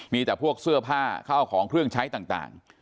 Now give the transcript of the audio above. มีแต่พวกเสื้อผ้าข้าวของเครื่องใช้ต่าง